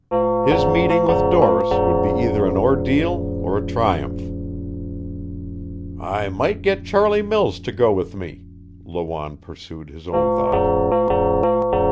His meeting with Doris would be either an ordeal or a triumph. "I might get Charlie Mills to go with me," Lawanne pursued his own thought.